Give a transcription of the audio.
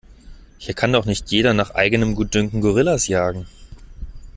Hier kann doch nicht jeder nach eigenem Gutdünken Gorillas jagen!